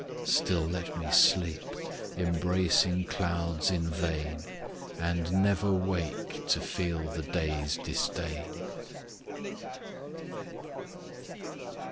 Still let me sleep, embracing clouds in vain; And never wake to feel the day's disdain.